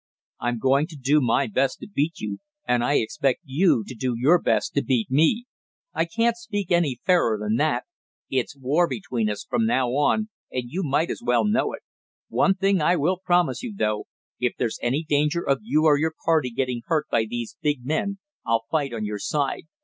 "I'm going to do my best to beat you, and I expect you to do your best to beat me. I can't speak any fairer than that. It's war between us, from now on, and you might as well know it. One thing I will promise you, though, if there's any danger of you or your party getting hurt by these big men I'll fight on your side.